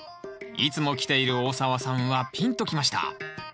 いつも来ている大沢さんはピンときました